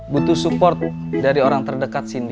butuh support dari orang terdekat sini